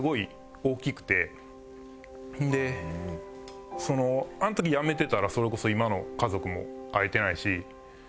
ほんでそのあの時やめてたらそれこそ今の家族も会えてないし。